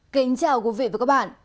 kính chào quý vị và các bạn